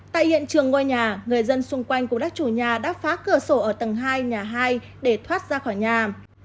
tại hiện trường ngôi nhà người dân xung quanh cùng các chủ nhà đã phá cửa sổ ở tầng hai nhà hai để thoát ra khỏi nhà